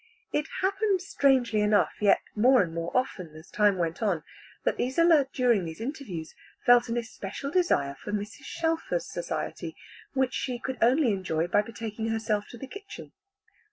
It happened strangely enough, yet more and more often as time went on, that Isola during these interviews felt an especial desire for Mrs. Shelfer's society, which she could only enjoy by betaking herself to the kitchen.